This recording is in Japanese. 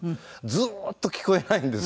ずっと聞こえないんですよ。